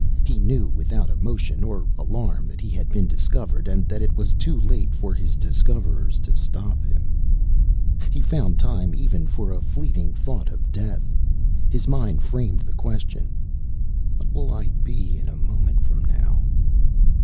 He knew, without emotion or alarm, that he had been discovered, and that it was too late for his discoverers to stop him. He found time, even, for a fleeting thought of death. His mind framed the question, "What will I be in a moment from now?"